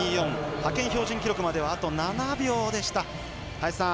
派遣標準記録まではあと７秒でした。